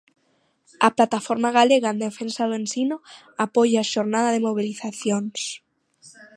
A Plataforma Galega en defensa do ensino apoia a xornada de mobilizacións.